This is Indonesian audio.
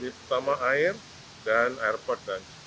jadi pertama air dan airport